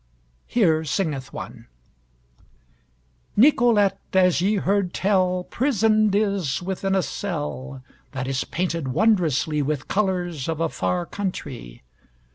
Here singeth one: Nicolette as ye heard tell Prisoned is within a cell That is painted wondrously With colors of a far countrie.